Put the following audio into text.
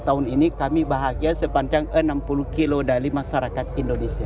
tahun ini kami bahagia sepanjang enam puluh km dari masyarakat indonesia